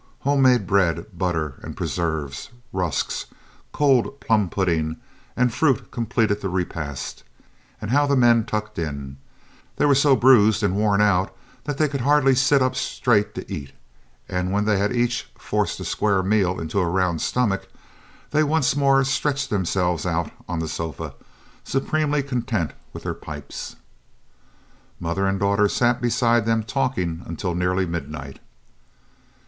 Home made bread, butter, and preserves, rusks, cold plum pudding, and fruit completed the repast and how the men tucked in! They were so bruised and worn out that they could hardly sit up straight to eat, and when they had each "forced a square meal into a round stomach" they once more stretched themselves out on the sofas, supremely content with their pipes. Mother and daughter sat beside them talking until nearly midnight.